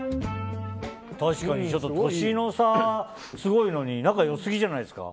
確かに、年の差すごいのに仲良すぎじゃないですか。